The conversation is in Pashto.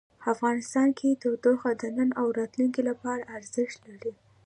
افغانستان کې تودوخه د نن او راتلونکي لپاره ارزښت لري.